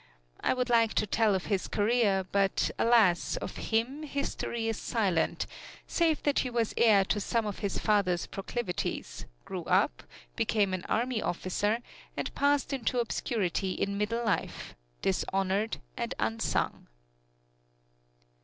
I would like to tell of his career, but alas, of him history is silent, save that he was heir to some of his father's proclivities, grew up, became an army officer and passed into obscurity in middle life, dishonored and unsung.